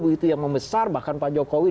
begitu yang membesar bahkan pak jokowi